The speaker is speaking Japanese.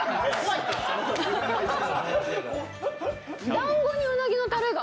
だんごにうなぎのたれが。